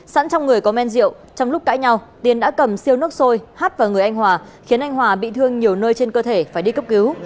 sẵn trong người có men rượu trong lúc cãi nhau tiến đã cầm siêu nước sôi hắt vào người anh hòa khiến anh hòa bị thương nhiều nơi trên cơ thể phải đi cấp cứu